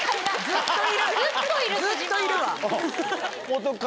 ずっといるわ。